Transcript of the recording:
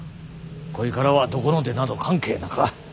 こいからはどこの出など関係なか。